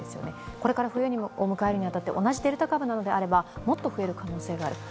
これから冬を迎えるに当たって、同じデルタ株ならばもっと増える可能性がある。